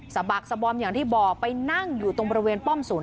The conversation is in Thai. บักสะบอมอย่างที่บอกไปนั่งอยู่ตรงบริเวณป้อมศูน